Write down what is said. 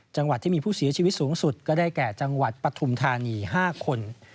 จังหวัดที่มีผู้เสียชีวิตสูงสุดก็ได้แก่จังหวัดปฐุมธานี๕คน